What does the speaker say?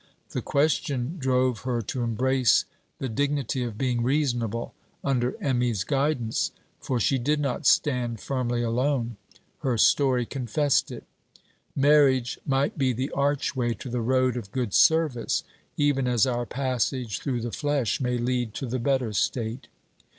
The question drove her to embrace the dignity of being reasonable under Emmy's guidance. For she did not stand firmly alone; her story confessed it. Marriage might be the archway to the road of good service, even as our passage through the flesh may lead to the better state.